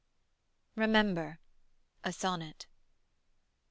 REMEMBER. SONNET.